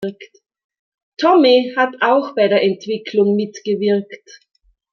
Tommy hat auch bei der Entwicklung mitgewirkt.